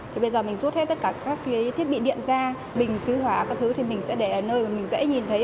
thì bây giờ mình rút hết tất cả các cái thiết bị điện ra bình cứu hóa các thứ thì mình sẽ để ở nơi và mình dễ nhìn thấy